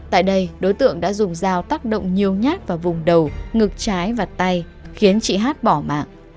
tại đây đối tượng đã dùng dao tác động nhiều nhát vào vùng đầu ngực trái và tay khiến chị hát bỏ mạng